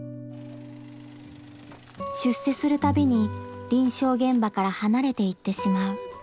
出世するたびに臨床現場から離れていってしまう。